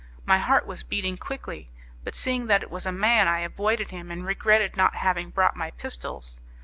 My heart was beating quickly, but seeing that it was a man I avoided him, and regretted not having brought my pistols.